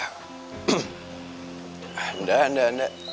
tidak tidak tidak